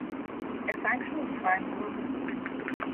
a function defined globally